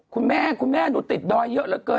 คุณแม่คุณแม่หนูติดดอยเยอะเหลือเกิน